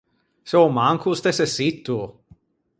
Se a-o manco o stesse sitto!